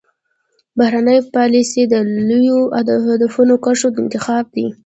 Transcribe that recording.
بهرنۍ پالیسي د لویو اهدافو او کرښو انتخاب دی